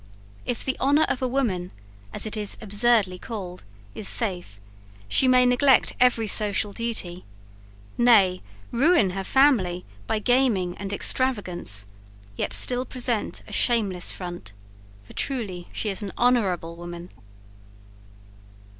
If the honour of a woman, as it is absurdly called, is safe, she may neglect every social duty; nay, ruin her family by gaming and extravagance; yet still present a shameless front for truly she is an honourable woman!